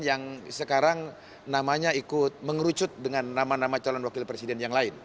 yang sekarang namanya ikut mengerucut dengan nama nama calon wakil presiden yang lain